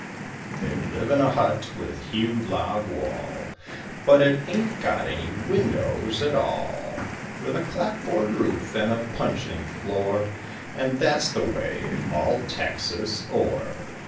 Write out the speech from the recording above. They live in a hut with hewed log wall, But it ain't got any windows at all; With a clap board roof and a puncheon floor, And that's the way all Texas o'er.